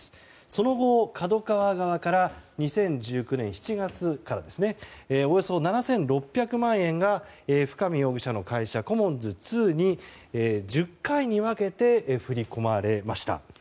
その後、ＫＡＤＯＫＡＷＡ側から２０１９年７月からおよそ７６００万円が深見容疑者の会社コモンズ２に１０回に分けて振り込まれました。